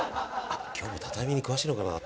今日も畳に詳しいのかな？